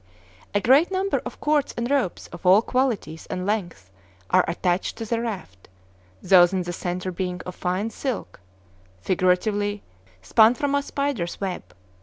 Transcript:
A great number of cords and ropes of all qualities and lengths are attached to the raft, those in the centre being of fine silk (figuratively, "spun from a spider's web").